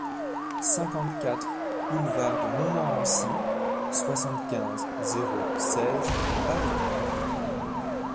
cinquante-quatre bD DE MONTMORENCY, soixante-quinze, zéro seize, Paris